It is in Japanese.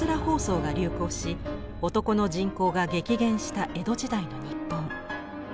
疱瘡が流行し男の人口が激減した江戸時代の日本。